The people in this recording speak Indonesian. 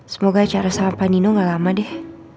semoga acara sama pak nino gak lama deh